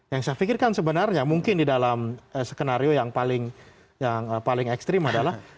yang saya pikirkan sebenarnya mungkin di dalam skenario yang paling ekstrim adalah